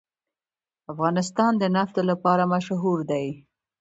افغانستان د نفت لپاره مشهور دی.